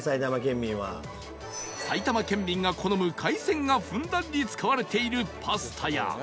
埼玉県民が好む海鮮がふんだんに使われているパスタや